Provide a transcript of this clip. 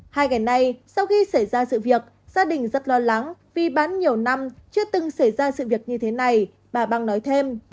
hai ngày nay sau khi xảy ra sự việc gia đình rất lo lắng vì bán nhiều năm chưa từng xảy ra sự việc như thế này bà băng nói thêm